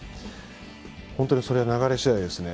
本当にそれは流れ次第ですね。